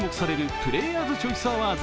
プレーヤーズ・チョイス・アワーズ。